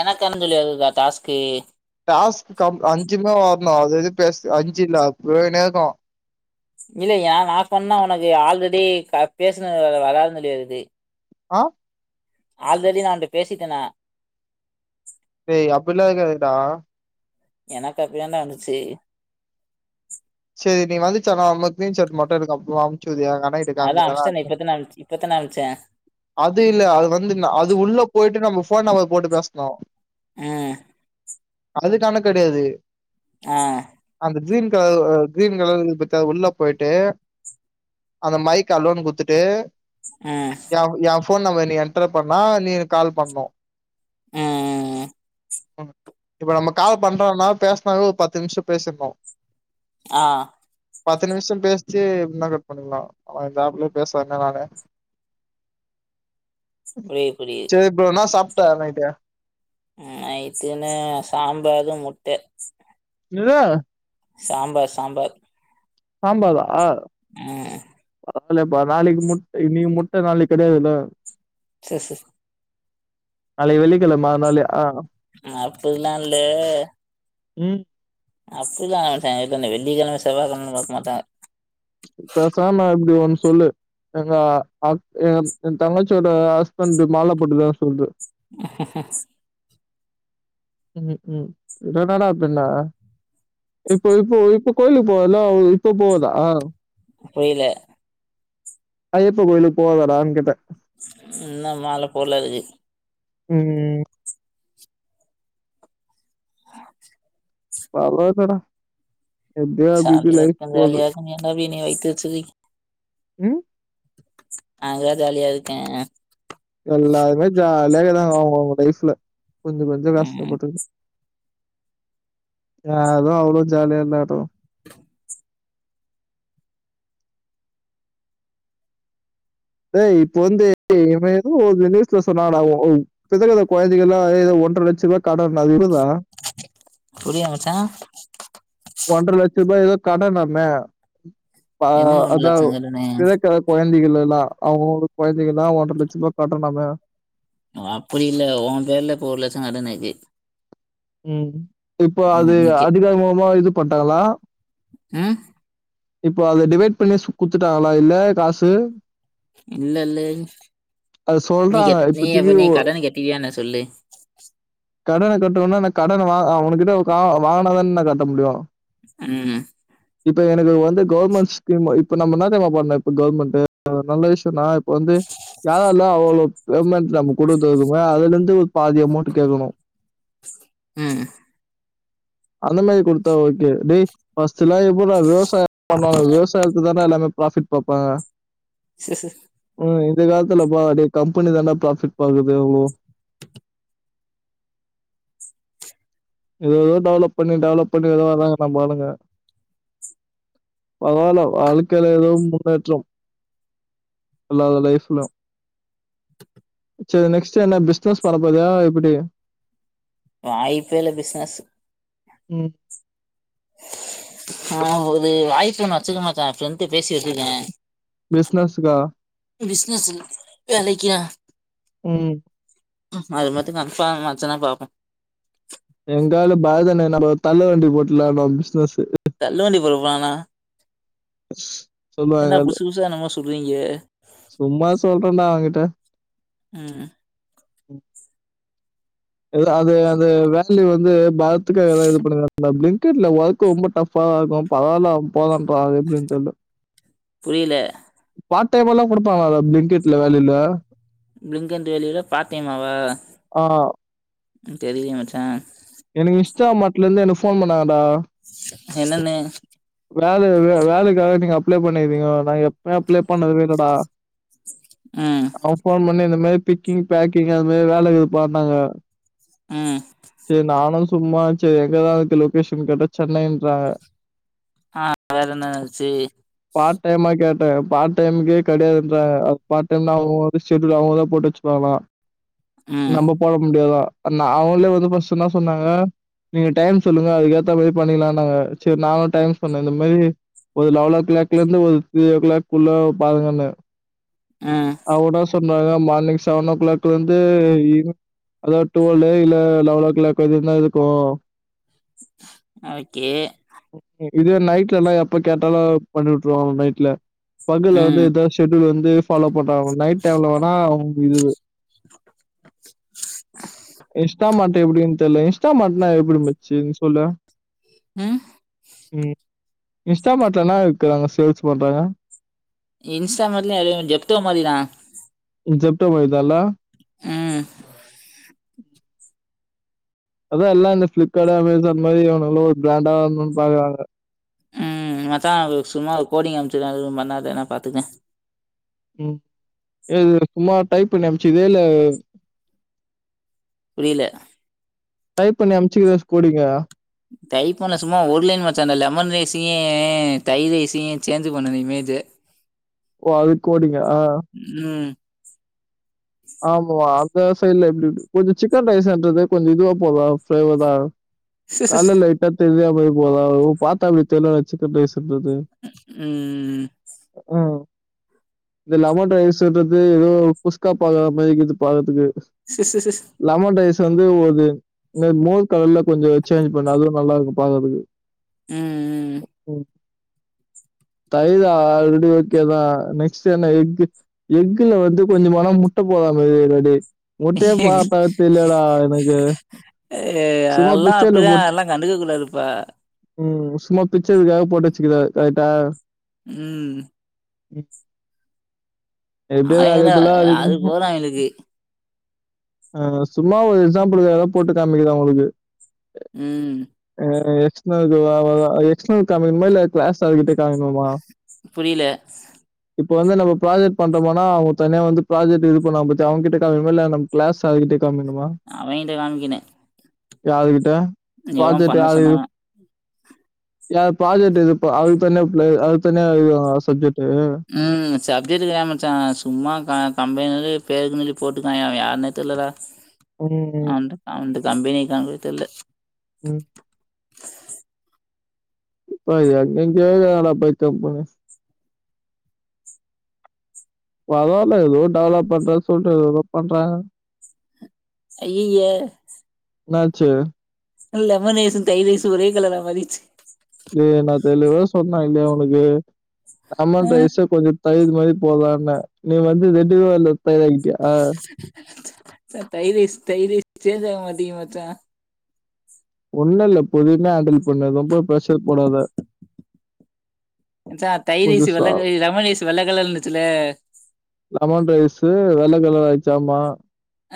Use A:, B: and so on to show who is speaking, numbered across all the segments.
A: எனக்கு என்னனு தெரியல டாஸ்கு
B: டாஸ்கு கம் அஞ்சு [unintelligible] அ எது பேச அஞ்சு இல்ல அது போய்ன்னே இருக்கோ
A: இல்ல ஏன்னா நா சொன்னா உனக்கு ஆல்ரெடி பேசின வராதுனு தெரியுது
B: ஆ
A: ஆல்ரெடி நா ட்ட பேசிட்டனா
B: டேய் அப்பில்லா இருக்காதுடா
A: எனக்கு அப்டிதாண்டா வந்துச்சு
B: செரி நீ வந்துசன்னா அதுமார் ஸ்க்ரீன் ஷாட் மட்டு அப்றமா அனுப்சு வுடு குது ஏனா எங்கன்னே கிட்ட
A: அதான்
B: காம்கலனா
A: அம்ச்டேனே
B: [unintelligible]
A: இப்பத்தானே அம்ச் இப்பத்தானே அம்ச்சேன்
B: அது இல்ல அது வந்து அது உள்ள போயிட்டு நம்ம ஃபோ ஃபோன் நம்பர் போட்டு பேசுனோ
A: ஆ
B: அதுக்காணா கெடையாது
A: ஆ
B: அந்த ஜீன் அவ் அவ் கிரீன் கலர் இருக்கு பாத்தியா உள்ள போயிட்டு அந்த மைக் அலோனு குத்துட்டு
A: ஆ
B: ஃபோன் நம்பர் நீ என்டர் பண்ணா நீ எனக்கு கால் பண்ணு
A: ம் ம் ம்
B: இப்ப நம்ம கால் பண்றோன்னா பேசினாவே ஒரு பத்து நிமிஷ பேசிருந்தோ
A: ஆ
B: பத்து நிமிஷோ பேசிச்சு முன்னா கட் பண்ணிக்லா அனா இந்த ஆஃப்லயே பேசறே இல்ல நானே
A: புரியுது புரியுது
B: செரி ப்ரோ என்ன சாப் ட்ட நைட்டு
A: ம் நைட்டுனு சாம்பாரு முட்ட
B: ரோ
A: சாம்பார் சாம்பார்
B: ஆமாவ
A: ம்
B: அதலப்பா நாளைக்கு முட்ட இன்னிக்கு முட்ட நாளைக்கு கிடையாதுல்ல
A: சர் சர்
B: நாளைக்கு வெள்ளிக்கிழமே அதனால ஆ
A: அப்பில்லால்ல
B: ம்
A: அப்டிதா வெள்ளிக்கிழம செவ்வகிழம பாக்க மாட்டாங்க
B: பேசாம இப்டி ஒன்னு சொல்லு எங்க அ அக் என் தங்கச்சியோட ஹஸ்பண்ட்கு மாலப்பொட்ருகான் சொல்லு
A: ஹ ஹ ஹ ஸ்
B: ம் ம் என்னடா பின்னா இப்ப இப்போ இப்ப கோயிலுக்கு போனல இப்ப போதா
A: புரியல
B: ஐ்யப்ப கோவிலுக்கு போகாதடான் கேட்ட
A: ன்ன மால போல இருக்கு
B: ம்
A: [inaudible]
B: வரல போட
A: சாலியாலியா எல்லா இன வைத்து சில்லி
B: ம்
A: அங்க ஜாலியா இருக்கே
B: விக தாங்க அவுங்க அவுங்க லைஃப்ல கொஞ்ச கொஞ்ச வேசத்த
A: ம்
B: போட்டு யாரும் அவ்ளோ ஜாலியா இல்ல ஆட்டோ ஏ் இப்ப வந்து ஏதோ ஒரு நியூஸ்ல சொன்னடா புது வித கொழந்தைங்கல ஏத ஒன்றரை லட்ச ரூபா கடன் அதுதா
A: புரியவிட்ட
B: ஒன்றரை லட்ச ரூபா ஏதோ கடனமே பா
A: என்னது ஒன்ற
B: அத
A: லட்சம் கடனு
B: பிள்ளைக்கு கொழுந்தைங் குழந்தைகள்ல்லா அவுங்க குழந்தைகள்ல்லா ஒன்ர லட்ச ரூப கடனமே
A: அப்டில்ல உ பேர்ல இப்ப ஒரு லட்ச கடன் இருக்கு
B: ம் இப்போ
A: ம்
B: அது
A: நீ கே
B: அதிகார முலமா இது போட்டாளா
A: ம்
B: இப்போ அத டிவைட் பண்ணி குடுத்துட்டாங்களா இல்ல காசு
A: இல்ல இல்ல
B: அது
A: நீ
B: சொல்றாங்க
A: கட்ட நீ
B: இப்பத்திக்கு
A: எப்பமே நீ கடன் கட்டுவிய என்ன சொல்லு
B: கடன கட்டணும்னா நா கடன வா அவனேகிட்ட ந வாங்கினதான நா கட்ட முடியு
A: ம்
B: இப்ப எனக்கு வந்து கவர்மெண்ட் ஸ்கீமு இப்ப நம்ம என்ன திரியுமா பண்ணு இப்ப கவர்மெண்ட்டு நல்ல விஷயோ நா ப்ப வந்து யாரா ல்ல அவ்ளோ [unintelligible] நம்ம கொடுத்ததுக்கும அதுல இருந்து ஒரு பாதி அமௌண்ட் கேட்கணு
A: ம்
B: அந்த மாதிரி கொடுத்தா ஓகே டேய் பர்ஸ்லா எப்டி டா ரோஸ் ப பண்ணுவாங்க விவசாயத்து தா அதுல எல்லாருமே ப்ராஃபிட் பப்பாங்க
A: ச ச
B: இந்த காலத்துல பா டெய் கம்பெனி தானா ப்ராஃபிட் பாக்குது உ ஏதோ ஏதோ டெவலப் பண்ணி டெவலப் பண்ணி ஏதோ வராங்க ந பாருங்க பரவால்ல வாழ்க்கையில ஏதவும் முன்னேற்றம் அல்லாத லைஃப்ல செரி நெக்ஸ்ட் என்ன பிசினஸ் பண்ண போரியா எப்டி
A: வாய்ப்பேல பிசாஸ்
B: ம்
A: ஆ ஒரு வாய்ப்பு ஒண்ணு வச்சுக்கமாச்சா ஃப்ரெண்ட் பேசி வச்சுருக்கே
B: பிசினஸ்க்கா?
A: பிசினஸ் ல்ல வேலைக்கா
B: ம்
A: அது மத்து கண்ஃப்பா மச்சன்னா பாப்போ
B: நாம தள்ளு வண்டி போட்டுலா நம்ம பிசினஸு
A: தள்ளு வண்டி பொறப்பானா
B: [inaudible]
A: என்டா
B: சொல்லுவாங்க
A: புசு புசா எனமோ சொல்றீங்க
B: சும்மா சொல்றேடா அவ்கிட்ட
A: ம்
B: ம் இல்லா அது அது வேலி வந்து பாரத்துக்கு எதது இது பண்ணுறாங்க அப்டி கில்ல வாழ்க்க ரொம்ப டப்பா தா இருக்கு பரவால்லா போலாம் வா எப்டின்னு சொல்லு
A: புரியல
B: பா [unintelligible] லா கொடுப்பா அவ அத பிங்கெட்ல வேலில
A: பிங்கட் வேலியில பார்த்டைமாவா
B: ஆ
A: தெரியல மச்சா
B: எனக்கு இன்ஷ்டா மாட்டலருந்து எனக்கு ஃபோன் பண்ணாகளா
A: ச [inaudible] என்னன்னு
B: வேலை வே- வேலைக்காக நீங்க அப்ளை பண்ணீங்திக நா எப்வே அப்ளை பண்ணது இல்டா
A: ம்
B: அவ ஃபோன் பன்னி இந்த மரி பிக்கிங் பேக்கிங் அது மாரி வேலக்குதுப்பார்நாங்க
A: ம்
B: செரி நானு சும்மா செரி எங்கதா இருகுதுன் லொகேஷன் கேட்டா சென்னைன்றாங்க
A: ஆ வேற என்னாச்சு
B: பார்ட் டைம்மா கேட்டே பார்ட் டைமு்கே கிடையாதுன்றாங்க அப் பார்ட் டைம்னா அவங்க வந்து ஷெடுல் அவங்கதா போட்டு வச்சுப்பாங்லா
A: ம்
B: நம்ம போட முடியாதா நா அவங்களே வந்து ஃபஸ்ட் என்ன சொன்னாங்க நீங்க டைம் சொல்லுங்க அதுக்க ஏத்த மாதிரி பண்ணிக்கலா நாங்க சரி நானு டைம் சொன்னே இந்த மாதிரி ஒரு லவல த்ரியோ கிளாக்ல இருந்து ஒரு த்ரியோ கிளாக்குள்ள பாருங்கன்னே
A: ம்
B: அவுடா சொ சொன்னாங்க மார்னிங் செவன் ஓ கிளாக்ல இருந்து ஈவினி அதாவது டுவெல்ல இல்ல லெவன் ஓ கிளாக் வரைக்குதா இருக்கு
A: ஓகே
B: இது நைட்ல எல்லாம் எப்ப கேட்டாலு பண்ணி விட்டுருவாங்க நைட்ல பகல வந்து
A: ம்
B: இதா ஷெடூல் வந்து ய்லி ஃபாலோ போட்டா நைட் டைம்ல வேணா இது
A: [inaudible]
B: இன்ஸ்டாமார்ட் எப்டின்னு தெர்ல இன்ஸ்டாமார்ட்னா எப்டிமச்சி நீ சொல்ல
A: ம்
B: ம் இன்ஸ்டாமெண்ட்லன இருக்குறாங்க சேல்ஸ் பண்றாங்க
A: இன்ஸ்டா மாதிரிலாம் அதே மாதிரி ஜெப்டோ மாதிரி தான்
B: ஜப்டோ மாதிதன்னா
A: அ
B: [inaudible] அதா எல்லாம் இந்த ஃபிளிப்கார்ட் அமேசான் மாதிரி இவனுவளு ஒரு ப்ராண்டா வர்ணும்னு பாக்குறாங்க
A: ம் மச்சா ஒரு சும்மா ஒரு கோடிங் அமுச்சுருக்கே அது எது பண்ணாத நா பாத்துக்ரே
B: ம் இது சும்மா டைப் பண்ணி அமைச்சுதே இல்ல
A: புரில
B: டைப் பண்ணி அமுச்சுக்க கோடிங்கா
A: டைப்பண்ண சும்மா ஒருலைன் மச்சா லெமன் ரைஸையி தை ரைஸையி சேஞ்சு பண்ணது இமேஜு
B: ஓ அதுக்ஓடி
A: ம்
B: ஆமா அந்த சைட்ல எப்டி கொஞ்சோ சிக்கன் ரைஸ்ன்றது கொஞ்சம் இதுவா போதா ஃப்ளேவரா காலல லைட்டா தெரிதியா போய் போதாவு பார்த்தா தெர்லன சிக்கன் ரைஸ் கொஞ்சது ம் இந்த லெமன் ரைஸ்ன்றது ஏதோ குஸ்கா போதாமரிஇருக்குது பாக்றதுக்கு
A: சிஸ்சிஸ்சிஸ்
B: வந்து ஒரு மோர் கலர்ல கொஞ்ச சேஞ்ச் பண்ண அதுவு நல்லா இருக்கு பாக்குறதுக்கு [inaudible]
A: ம்
B: தைர் ஆல்ரெடி ஓகேதா நெக்ஸ்ட் என்ன எக்கு எக்குல வந்து கொஞ்சோ மனோ [unintelligible] முட்டையே பா
A: ம்
B: பத்து இல்லடா எனக்கு
A: ஏ
B: சும்மா
A: எல்லா
B: பிச்சர்ல
A: அப்டிதா
B: போட்டு
A: எல்லா கண்டுக்ககூடாதுப்பா
B: ம் சும்மா பிச்சதுக்காக போட்டு வச்சுக்ருக்காங் கரெக்டா
A: ம்
B: ம் எப்படியோ
A: ஆயிர
B: வேல்யூபிளா அதுக்கு
A: அது போதா எங்களுக்கு
B: ஆ சும்மா ஒரு எக்ஸாம்பிள்காக போட்டு காமிக்கறே உங்களுக்கு
A: ம்
B: அ எக்ஸ்னவ் வ வா எக்ஸ்னவ் காமிக்கனுமா இல்ல கிளாஸ் ஆகிட்ட காமிக்கனுமா
A: புரியல
B: இப்போ வந்து நம்ம ப்ராஜக்ட் பண்றோமானா அவங்க தனியா வந்து ப்ராஜக்ட் இது பண்ண பத்தியா அவங்கிட்ட இல்ல போ கிளாஸ் அதுக்கிட்ட
A: அவங்கிட்ட காமிக்கனு
B: யாரு கிட்ட
A: எவெ பண்ண சொன்னா
B: ய ப்ராஜெக்ட் இது பா அதுக்கு தானே அதுக்கு தனி இது சப்ஜெக்ட்
A: ம் சப்ஜெக்ட்கு தா மச்சான் சும்மா கம்பெனி பேரு நி போட்டுக்கயெ அவெ யாருனே தெர்லடா
B: ம்.
A: அ உண்டு அ உண்டு கம்பனேக்கான் தெர்ல்ல
B: ம் இப்ப எங்க கேல்லா பத்தி பரவால்ல ஏதோ டெவலப் பண்ற சொல்றத ஏதோ பண்றாங்க
A: அய்யோயோ
B: என்ன ஆச்சு
A: லெமன் ரைசும் தயிர் ரைசும் ஒரே கலரா மாரிச்சு
B: டேய் நான் தெளிவா சொன்னா இல்லயா உனக்கு
A: ஆ
B: லெமன் ரைசும் கொஞ்ச தயிர் மாரி போலான நீ வந்து திட்டவ இல்ல போவன்டியா ஆ
A: தைர் ரைஸ் தைர் ரைஸ் சேஞ் ஆவ மாட்டிகுது மச்சா
B: ஒண்ணு இல்ல பொறுமையா ஹான்டில் ண்ண ரொம்ப பிரஷர் போடாத
A: ச்ச தைர்ஸு
B: கொஞ்சம்
A: வெள்ள
B: சா
A: லெமன் ரைசு வெள்ள கலர்ல இருந்துச்சுல
B: லெமன் ரைஸு, வெள்ள கலர் ஆச்ச ஆமா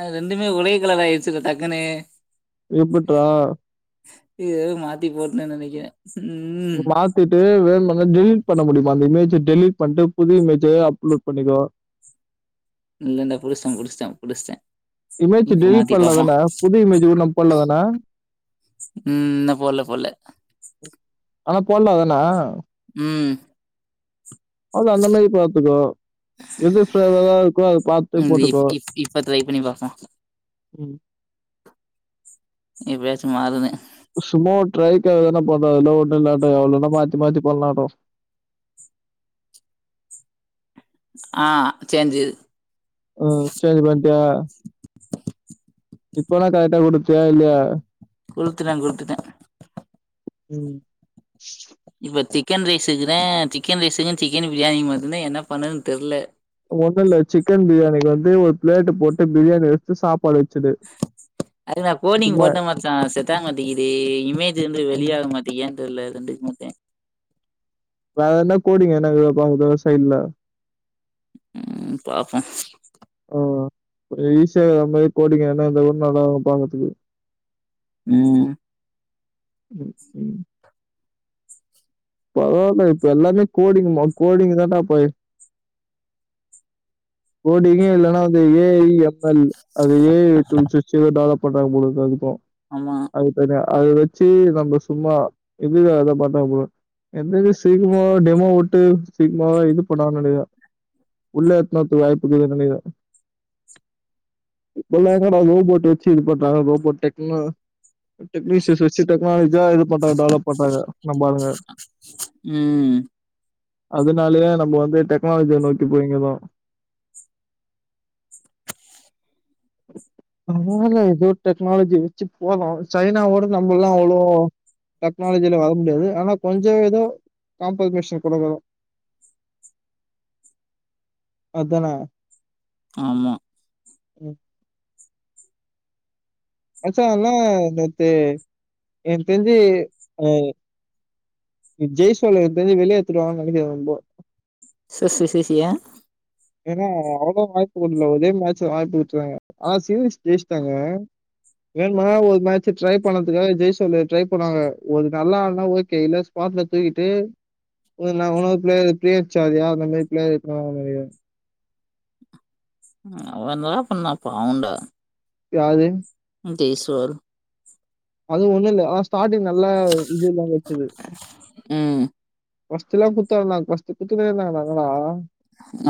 A: அ ரெண்டுமே ஒரே கலர் ஆயிடுச்சுல்ல டக்குன்னு
B: எப்புட்றா
A: இ எதவு மாத்தி போட்டன் நெனக்கறே
B: மாத்திட்டு வேன் டெலீட் பண்ண முடியுமா அந்த இமேஜ டெலீட் பண்ணிட்டு புதிய இமேஜ அப்லோட் பண்ணிட
A: இல்லண்டா குடிஸ்டே குடிஸ்டே குடிஸ்டே
B: இமேஜ்
A: இப்ப
B: டெலீட்
A: மாத்தி பாப்போ
B: பண்ணலாம் தான? புது இமேஜ் கூட நம்ம போடலாம் தான?
A: ம் போல்ல போல்ல
B: ஆனா போடலா தானாண்ணா
A: ம்
B: அது அந்த மாரி பாத்துக்கோ எது ஃபவர் இருக்கோ அத பாத்து
A: இந்த இப்
B: போட்டுக்கோ
A: இப் இப்ப ட்ரை பண்ணி
B: ம்
A: இ பேச மாறுதா
B: சும்மா ஒரு டரைக்தா பண்ண அதா எல்லா ஒண்ணு இல்லாட்டம் எவ்ளோன்னா மாத்தி மாத்தி பண்ணலாட்டும்
A: ஆ சேஞ்சுது
B: ம். சேஞ்ச்
A: [inaudible]
B: இப்போனா கரட்டா கொடுத்தியா இல்லய
A: குடுத்துட்டே குடுத்துட்டே
B: ம்
A: இப்ப சிக்கன் ரைஸுக்குதா சிக்கன் ரைஸுக்குன் சிக்கன் பிரியாணி மட்டு என்ன பண்ணுதுன்னு தெரில
B: ஒண்ணுல சிக்கன் பிரியாணிக்கு வந்து ஒரு பிளேட் போட்டு பிரியாணி வச்சு சாப்பாடு வச்சுடு
A: அது. நா கோனிங்
B: சும்மா
A: போட்ட மச்ச செட் மாட்டேங்கது இமேஜ் வந்து
B: ம்
A: வெளியாக மாட்டங்கன் தெர்ல என்னன்ட்டு மத்த
B: வேற என்ன கோடிங் என்ன பண்றது சைட்ல
A: உ பாப்போ
B: ஓ கொஞ்ச ஈஸியா இருக்குற மாரி கோடிங்க எதனா இருந்தா கூட நல்லா இருக்கு பாக்கறதுக்கு
A: உ
B: உ உ பரவளா இப்ப எல்லாமே கோடிங்குமா கோடிங் தானடா போ் கோடிங்கே இல்லனா அந்து ஏ ஐ எஃப் எல் அதுல ஏ ஐ டூல்ஸ் வச்சு டெவலப் போட்டாங்க போலருக்கு அதுக்கு
A: ஆமா
B: அதுக்குதனியா அத வச்சு நம்ம சும்மா இதுக்காக தா பாத்தாங்க போல எந்த இத சீக்ரமா டெமோ விட்டு சீக்ரமாவே இது பண்ணாதுனு நெனக்கிறே உள்ள [unintelligible] வாய்ப்புக்குனு நெனைக்கிறே இப்பல்லா என்னடா ரோபோட் வச்சு இது பண்றாங்க ரோபோட் டெக்னா டெக்னீசியஸ் வச்சு டெக்னாலஜியா இது பண்றாங்க டெவலப் பண்றாங்க நம்மாளுங்க
A: ம்
B: அதனாலயே நம்ம வந்து டெக்னாலஜிய நோக்கி போயீங்கிறோ அதனால ஏதோ டெக்னாலஜி வச்சு போதோ சைனாவோட நம்மலலா அவ்ளோ டெக்னாலஜில வர முடியாது ஆனா கொஞ்ச ஏதோ காம்பென்சேஷன் கொடுக்கணு அதான
A: ஆமா
B: உ மச்சா நா நேத்து எனக்கு தெரிஞ்சு அ ஜெய் சோல எனக்கு தெரிஞ்சு வெளியே ஏத்துடுவாங்க நினைக்கிற ரொம்போ
A: சக்ஸஸியா
B: ஏன்னா அவ்ளோ வாய்ப்பு விடல ஒரேய மேட்ச வாய்பு விட்டுறாங்க ஆ சீீஸ் ஜேய்சிட்டாங்க வேணுமா ஒரு மேட்சு ட்ரை பண்றதுக்காக ஜெய்சு வந்து ட்ரை பண்ணாங்க ஒரு நல்லா ஆடுன ஓகே இல்ல ஸ்பாட்ல தூக்கிட்டு உணவு பிளேயர் பிரியச்சாரியா அந்த மாதி பிளயர் இரு [unintelligible]
A: அவே என்ன டா பண்ணா பாவோண்டா
B: யாரு
A: தேஸ்வர்
B: அது ஒண்ணு இல்லலா அதா ஸ்டார்ட்டிங் நல்லா இது எல்லா வச்சது
A: உ
B: [unintelligible]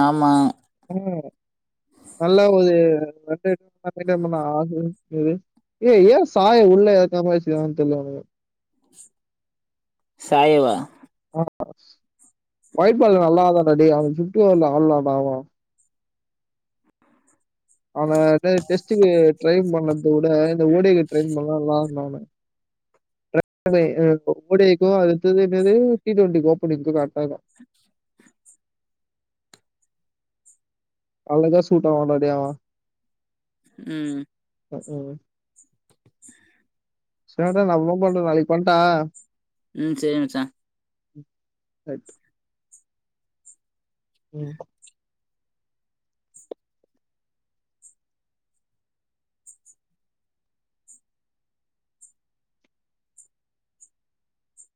A: ஆமா
B: ஆ நல்ல ஒரு ரண்டு ஆகும் இ ஏ ஏ சாய உள்ள எத்தாம வச்சிருக்காங்கனு தெரில இவனுங்க
A: சாயவா
B: வாய்பல்லா நல்லாதான்டி அவன் சுட்டுல ஆடலாடா டே அவன அத டெஸ்டுக்கு ட்ரைன் பண்றத விட இந்த ஓடக்கு ட்ரைன் பண்லாம்ல்லா ஓடேக்கு அடுத்தது என்னது டி டுவெண்டி ஓப்பனிங்க்கு கரெக்டாருக்கு அவுஅகுதா சூட்டாவு
A: ம்
B: [unintelligible] உ சேட்டா நம்ளு பன்றோ நாளைக்கு பன்ட்டா
A: உ சேரி மச்சா
B: சய் உ